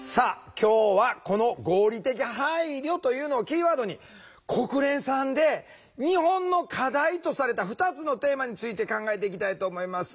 今日はこの「合理的配慮」というのをキーワードに国連さんで日本の課題とされた２つのテーマについて考えていきたいと思います。